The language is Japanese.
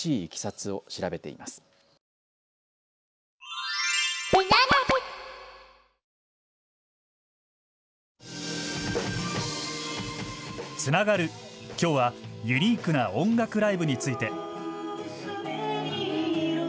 つながる、きょうはユニークな音楽ライブについて。